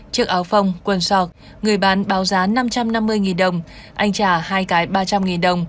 chiếc áo phông quần sọc người bán báo giá năm trăm năm mươi đồng anh trả hai cái ba trăm linh đồng